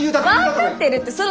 分かってるって。